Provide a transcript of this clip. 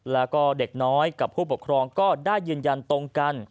แล้วก็เด็กน้อยกับผู้ปกครองก็ได้ยืนยันตรงกัน